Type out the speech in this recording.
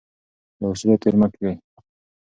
له اصولو تیر مه کیږئ.